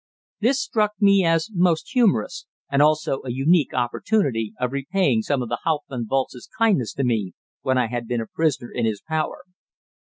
This struck me as most humorous, and also a unique opportunity of repaying some of Hauptmann Walz's kindness to me when I had been a prisoner in his power.